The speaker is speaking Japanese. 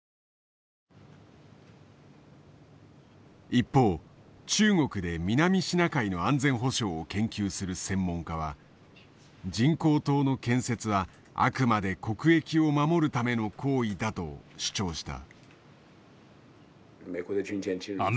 一方中国で南シナ海の安全保障を研究する専門家は人工島の建設はあくまで国益を守るための行為だと主張した。